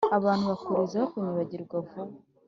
abantu bakurizaho kunyibagirwa vuba